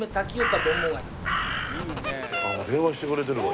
ああ電話してくれてるわ